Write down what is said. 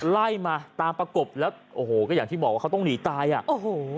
ไล่มาตามประกบแล้วโอ้โหก็อย่างที่บอกว่าเขาต้องหนีตายอ่ะโอ้โห